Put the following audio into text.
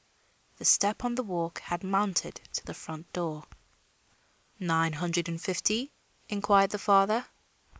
The step on the walk had mounted to the front door. "Nine hundred and fifty?" inquired the father.